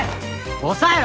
押さえろ！